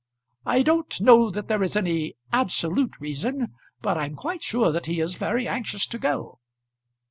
"I don't know that there is any absolute reason; but I'm quite sure that he is very anxious to go."